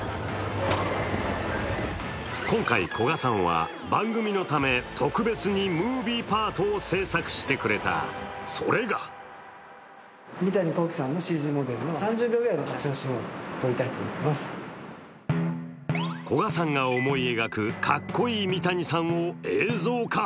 今回古賀さんは、番組のため特別にムービーパートを制作してくれた、それが古賀さんが思い描く、かっこいい三谷さんを映像化。